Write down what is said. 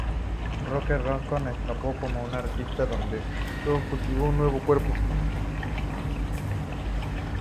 Rocket Raccoon escapó con una astilla donde Groot cultivó un nuevo cuerpo.